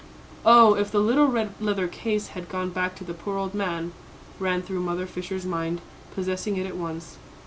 "Oh, if the little red leather case had gone back to the poor old man!" ran through Mother Fisher's mind, possessing it at once.